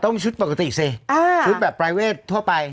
ชุดปกติสิชุดแบบปรายเวททั่วไป